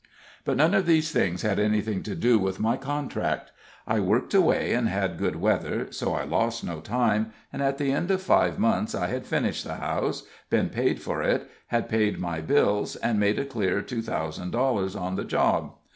But none of these things had anything to do with my contract. I worked away and had good weather, so I lost no time, and at the end of five months I had finished the house, been paid for it, had paid my bills, and made a clear two thousand dollars on the job.